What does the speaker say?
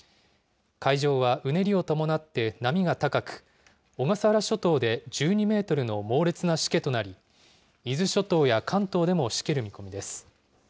海上はうねりを伴って波が高く、小笠原諸島で１２メートルの猛烈なしけとなり、伊豆諸島や関東でもしける見込みです。